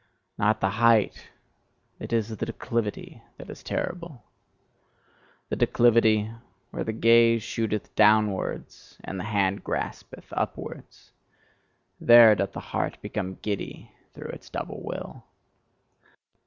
Not the height, it is the declivity that is terrible! The declivity, where the gaze shooteth DOWNWARDS, and the hand graspeth UPWARDS. There doth the heart become giddy through its double will.